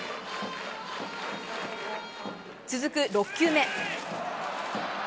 続く６球目。